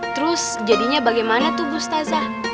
terus jadinya bagaimana tuh bu staza